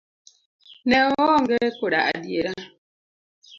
Ne oonge koda adiera.